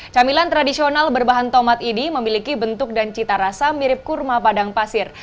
camilan tradisional berbahan tomat ini memiliki bentuk dan cita rasa mirip kurma padang pasir